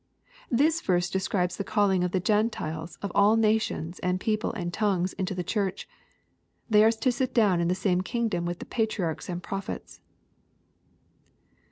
] This verse describes the calling of the Gkn« tiles of all nations and people and tongues into the Church. They are to sit down in the same kingdom with the patriarchs and prophets.